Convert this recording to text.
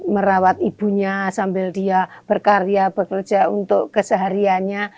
merawat ibunya sambil dia berkarya bekerja untuk kesehariannya